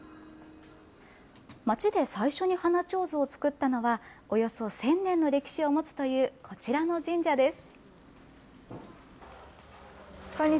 町で最初に花ちょうずを作ったのは、およそ１０００年の歴史を持つというこちらの神社です。